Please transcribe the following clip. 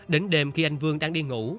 đến đêm khi anh vương đang đi ngủ